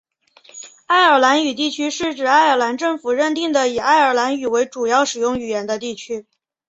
爱尔兰语地区是指爱尔兰政府认定的以爱尔兰语为主要使用语言的地区。